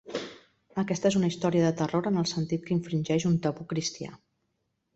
Aquesta és una història de terror en el sentit que infringeix un tabú cristià.